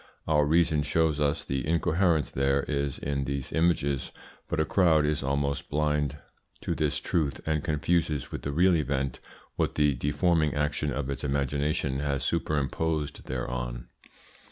Our reason shows us the incoherence there is in these images, but a crowd is almost blind to this truth, and confuses with the real event what the deforming action of its imagination has superimposed thereon.